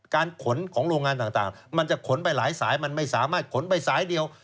การขนของโรงงานต่างมันจะขนไปหลายสายมันไม่สามารถขนไปสายเดียว